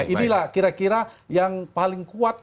inilah kira kira yang paling kuat